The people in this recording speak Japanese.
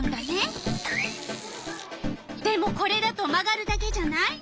でもこれだと曲がるだけじゃない？